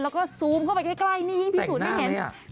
แล้วก็ซูมเข้าไปใกล้นี่พี่สูตรได้เห็น